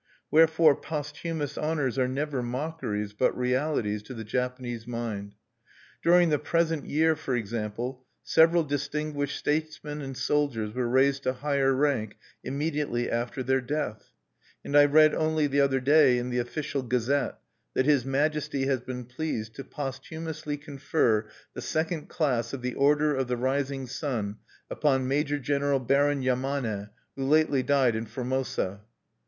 Wherefore posthumous honors are never mockeries, but realities, to the Japanese mind. During the present year(1), for example, several distinguished statesmen and soldiers were raised to higher rank immediately after their death; and I read only the other day, in the official gazette, that "His Majesty has been pleased to posthumously confer the Second Class of the Order of the Rising Sun upon Major General Baron Yamane, who lately died in Formosa."